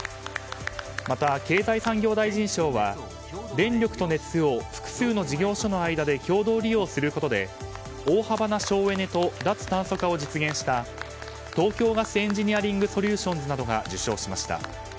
また、経済産業大臣賞は電力と熱を複数の事業所の間で共同利用することで大幅な省エネと脱炭素化を実現した東京ガスエンジニアリングソリューションズなどが受賞しました。